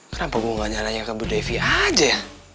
kenapa gue gak nanya ke bu devi aja